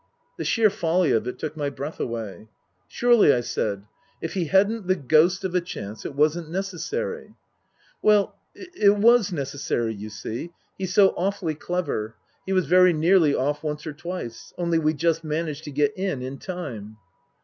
The sheer folly of it took my breath away. " Surely," I said, " if he hadn't the ghost of a chance, it wasn't necessary ?"" Well it was necessary, you see. He's so awfully clever. He was very nearly off once or twice. Only we just managed to get in in time."